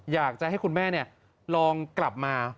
อยากจะให้คุณแม่ลองกลับมา